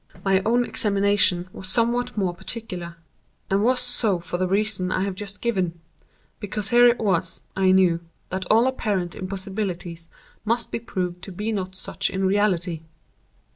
"My own examination was somewhat more particular, and was so for the reason I have just given—because here it was, I knew, that all apparent impossibilities must be proved to be not such in reality.